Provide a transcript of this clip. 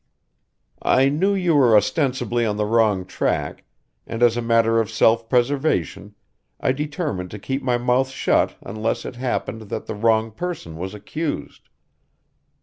I knew you were ostensibly on the wrong track and as a matter of self preservation I determined to keep my mouth shut unless it happened that the wrong person was accused.